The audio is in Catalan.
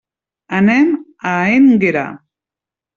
Anem a Énguera.